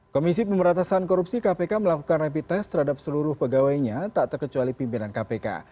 komisi pemberatasan korupsi kpk melakukan rapid test terhadap seluruh pegawainya tak terkecuali pimpinan kpk